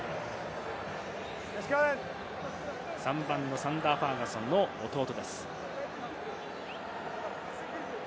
３番のザンダー・ファーガソンの弟です。